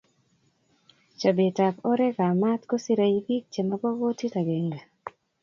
Chobet ab oret ab mat kosirei pik che mobo kutit agenge